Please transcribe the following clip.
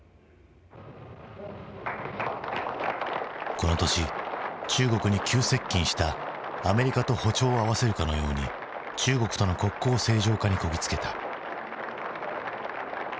この年中国に急接近したアメリカと歩調を合わせるかのように中国との国交正常化にこぎつけた。